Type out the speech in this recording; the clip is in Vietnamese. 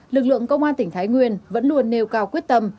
lực lượng công an tỉnh thái nguyên vẫn luôn nêu cao quyết tâm